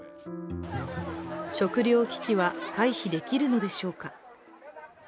食糧危機は回避できるのでしょうか。